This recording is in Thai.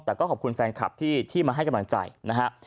แต่ก็ขอบคุณแฟนคลับที่มาให้กำลังใจนะฮะ